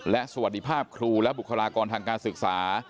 และสวัสดีภาพครูและบุคลากรทางการศึกษา